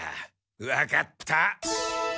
わかった。